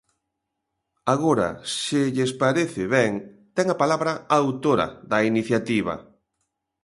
Agora, se lles parece ben, ten a palabra a autora da iniciativa.